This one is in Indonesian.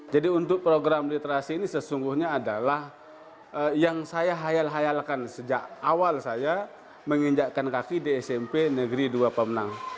jadi untuk program literasi ini sesungguhnya adalah yang saya hayal hayalkan sejak awal saya menginjakkan kaki di smp negeri dua pemenang